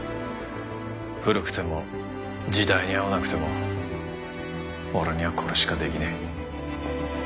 古くても時代に合わなくても俺にはこれしかできねえ。